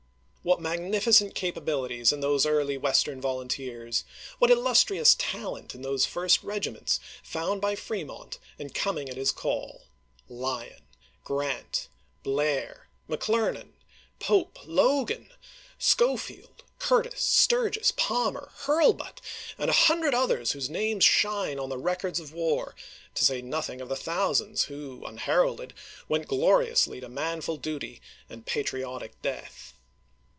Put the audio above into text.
What magnificent capabilities in those early Western volunteers ; what illustrious talent in those fii'st regiments found by Fremont and coming at his call !— Lyon, Grant, Blair, McClernand, Pope, Logan, Schofield, Curtis, Sturgis, Palmer, 404 ABKAHAM LINCOLN ch. XXIII. Hurlbut, and a hundred others whose names shine on the records of war, to say nothing of the thou sands who, unheralded, went gloriously to manful duty and patriotic death.